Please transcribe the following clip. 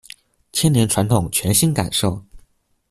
千年傳統全新感受